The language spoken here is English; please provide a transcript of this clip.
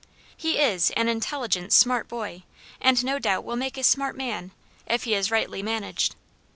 He is an intelligent, smart boy, and no doubt will make a smart man, if he is rightly managed.